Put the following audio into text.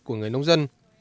của người nông dân